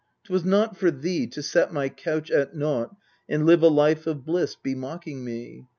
'Twas not for thee to set my couch at naught And live a life of bliss, bemocking me!